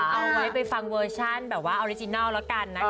เอาไว้ไปฟังเวอร์ชั่นแบบว่าออริจินัลแล้วกันนะคะ